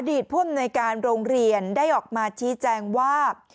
อดีตพวกมันในการโรงเรียนได้ออกมาชี้แจ้งว่า